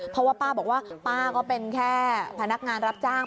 เพราะว่าป้าบอกว่าป้าก็เป็นแค่พนักงานรับจ้าง